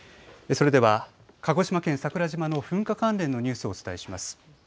それでは鹿児島県桜島の噴火関連のニュースをお伝えします。